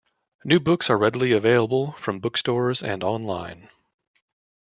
New books are readily available from bookstores and online.